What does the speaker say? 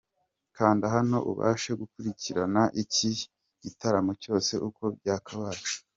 Kanda hano ubashe gukurikirana iki gitaramo cyose uko cyakabaye.